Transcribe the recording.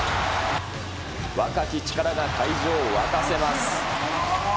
若き力が会場を沸かせます。